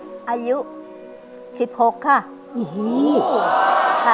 คุณยายเป้าเป็นนักร้องมาตั้งแต่อายุเท่าไหร่ครับ